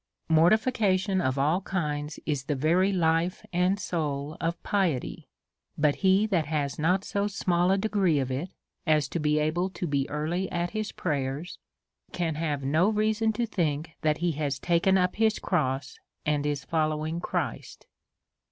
Mortification of all kinds is the very life and soul of piety ; but he that has not so small a de gree of it as to be able to be early at his prayers^ can have no reason to think that he has taken up his cross, and is following Christ.